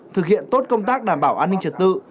thực hiện tốt công tác đảm bảo an ninh trật tự